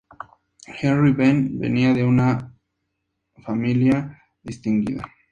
Henry Venn venía de una familia distinguida.